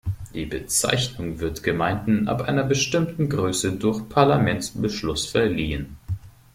Die Bezeichnung wird Gemeinden ab einer bestimmten Größe durch Parlamentsbeschluss verliehen.